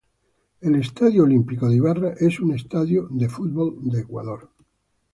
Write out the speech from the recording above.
El Estadio Olímpico de Ibarra es un estadio de fútbol de Ecuador.